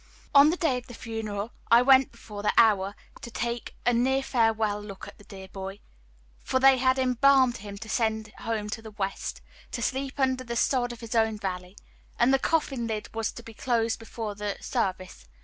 "On the day of the funeral I went before the hour, to take a near farewell look at the dear boy; for they had embalmed him to send home to the West to sleep under the sod of his own valley and the coffin lid was to be closed before the service.